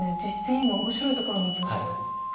今面白いところにいきましたよ。